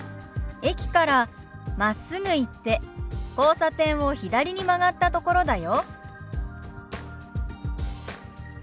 「駅からまっすぐ行って交差点を左に曲がったところだよ」。